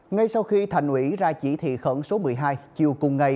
ngay sau khi thành ủy ra chỉ thị khẩn số một mươi hai chiều cùng ngày